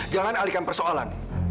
jangan alihkan persoalan